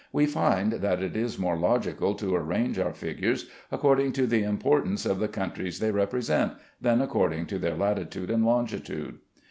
We find that it is more logical to arrange our figures according to the importance of the countries they represent, than according to their latitude and longitude.